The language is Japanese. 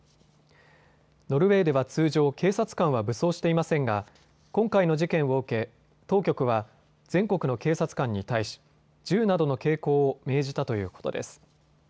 ノルウェーでは通常、警察官は武装していませんが今回の事件を受け当局は、全国の警察官に対し銃などの携行を命じたということです。